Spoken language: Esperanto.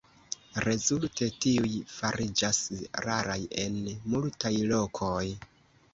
Rezulte tiuj fariĝas raraj en multaj lokoj.